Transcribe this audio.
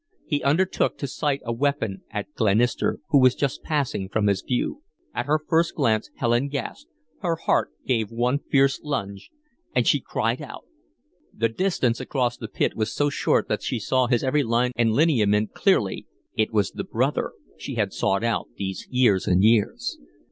He undertook to sight a weapon at Glenister, who was just passing from his view. At her first glance Helen gasped her heart gave one fierce lunge, and she cried out. The distance across the pit was so short that she saw his every line and lineament clearly; it was the brother she had sought these years and years.